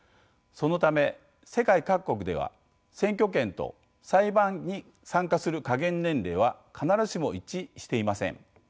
そのため世界各国では選挙権と裁判に参加する下限年齢は必ずしも一致していません。